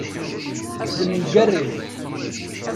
D nnger-im!